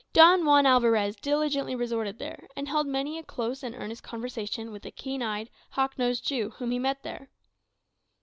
Don Juan Alvarez diligently resorted thither, and held many a close and earnest conversation with a keen eyed, hawk nosed Jew, whom he met there.